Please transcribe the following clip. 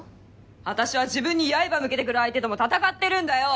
あたしは自分にやいば向けてくる相手とも戦ってるんだよ！